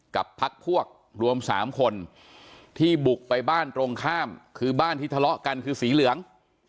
กับพักพวกรวม๓คนที่บุกไปบ้านตรงข้ามคือบ้านที่ทะเลาะกันคือสีเหลือง